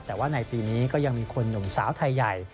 แต่ว่าในปีนี้ก็ยังมีคนหนุ่มสาวไทยใหญ่